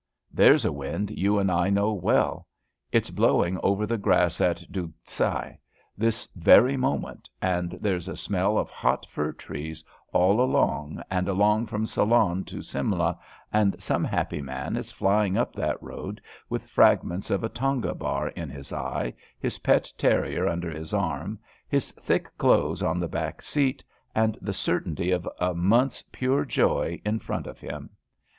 There's a wind you and I know well. It's blowing over the grass at Dugshai this very moment, and there's a smell of hot fir trees all along and along from Solon to Simla, and some happy man is flying up that road with fragments of a tonga bar in his eye, his pet terrier under his arm, his thick clothes on the back seat and the certainty of a month's pure joy in front of him.